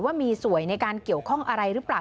ว่ามีสวยในการเกี่ยวข้องอะไรหรือเปล่า